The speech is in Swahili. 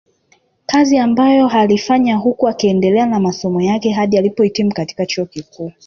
Kazi ambayo aliifanya huku akiendelea na masomo yake hadi alipohitimu katika chuo kikuu